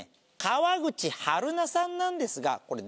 川口春奈さんなんですがこれ。